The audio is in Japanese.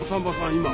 今？